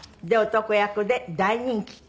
男役で大人気。